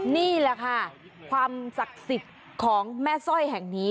นี่แหละค่ะความศักดิ์สิทธิ์ของแม่สร้อยแห่งนี้